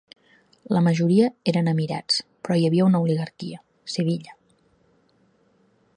La majoria eren emirats, però hi havia una oligarquia: Sevilla.